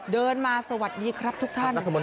เดินมาสวัสดีครับทุกท่าน